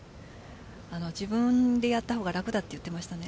自分でやったほうが楽だと言っていましたね。